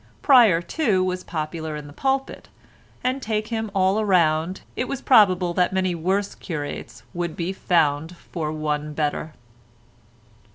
Pryer, too, was popular in the pulpit, and, take him all round, it was probable that many worse curates would be found for one better.